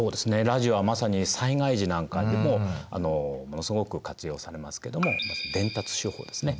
ラジオはまさに災害時なんかでもものすごく活用されますけども伝達手法ですね。